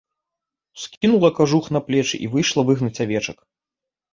Ускінула кажух на плечы і выйшла выгнаць авечак.